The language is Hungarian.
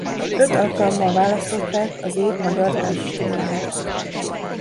Öt alkalommal választották az az év magyar tájfutójának.